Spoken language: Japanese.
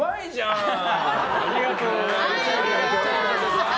ありがとうございます。